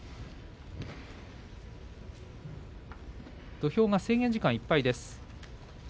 土俵は制限時間いっぱい